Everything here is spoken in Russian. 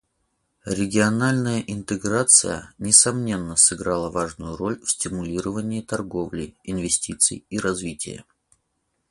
Региональная интеграция, несомненно, сыграла важную роль в стимулировании торговли, инвестиций и развития.